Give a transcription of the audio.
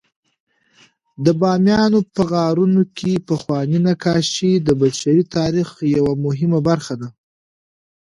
د بامیانو په غارونو کې پخواني نقاشۍ د بشري تاریخ یوه مهمه برخه ده.